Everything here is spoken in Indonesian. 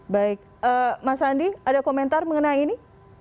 baik mas andi ada komentar mengenai ini